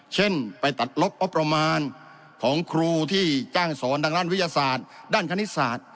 เช่นไปตัดลบงบประมาณของครูที่จ้างสอนทางด้านวิทยาศาสตร์ด้านคณิตศาสตร์